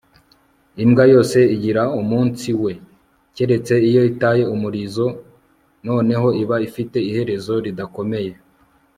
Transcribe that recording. imbwa yose igira umunsi we, keretse iyo itaye umurizo, noneho iba ifite iherezo ridakomeye